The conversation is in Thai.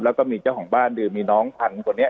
แล้วก็มีเจ้าของบ้านหรือมีน้องทันคนเนี้ย